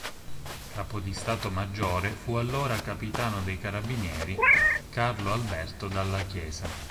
Capo di stato maggiore fu l'allora capitano dei carabinieri Carlo Alberto Dalla Chiesa.